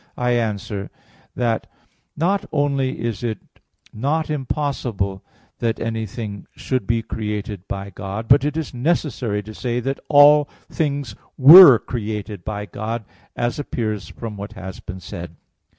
I answer that, Not only is it [not] impossible that anything should be created by God, but it is necessary to say that all things were created by God, as appears from what has been said (Q.